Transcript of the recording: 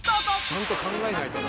ちゃんと考えないとな。